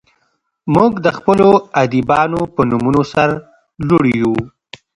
موږ د خپلو ادیبانو په نومونو سر لوړي یو.